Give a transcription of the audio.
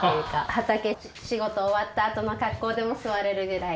畑仕事終わったあとの格好でも座れるぐらいの。